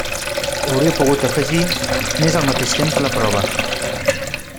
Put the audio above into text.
Hauria pogut afegir: n'és al mateix temps la prova.